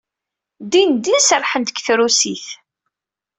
Dindin serrḥent deg trusit.